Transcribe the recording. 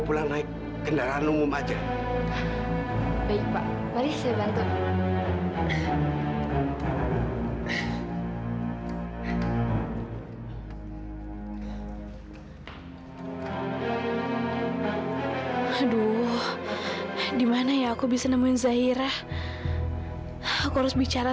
kamu bisa kan menyumbangkan daerah kamu ke papa